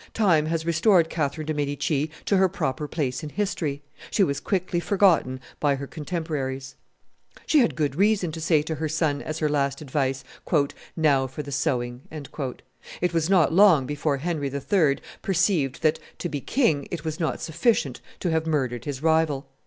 Time has restored Catherine de' Medici to her proper place in history; she was quickly forgotten by her contemporaries. She had good reason to say to her son, as her last advice, "Now for the sewing." It was not long before Henry III. perceived that to be king, it was not sufficient to have murdered his rival.